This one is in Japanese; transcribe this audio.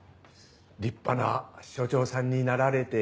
立派な署長さんになられて。